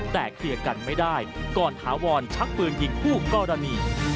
แต่เคลียร์กันไม่ได้ก่อนถาวรชักปืนยิงคู่กรณี